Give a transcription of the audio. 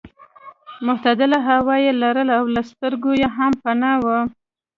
معتدله هوا یې لرله او له سترګو یې هم پناه وه.